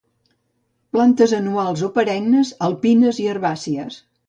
Plantes anuals o perennes, alpines i herbàcies.